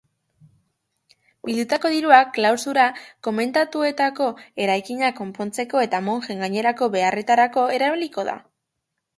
Bildutako dirua klausura komentuetako eraikinak konpontzeko eta mojen gainerako beharretarako erabiliko da.